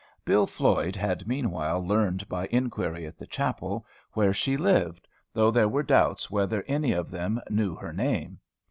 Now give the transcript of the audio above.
Bill Floyd had meanwhile learned, by inquiry at the chapel, where she lived, though there were doubts whether any of them knew her name.